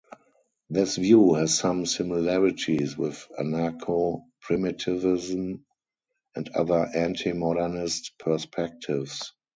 This view has some similarities with anarcho-primitivism and other anti-modernist perspectives.